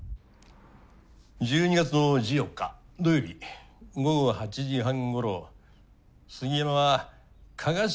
１２月の１４日土曜日午後８時半ごろ杉山は加賀市